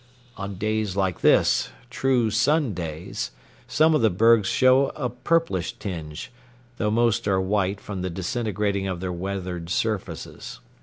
On days like this, true sun days, some of the bergs show a purplish tinge, though most are white from the disintegrating of their weathered surfaces.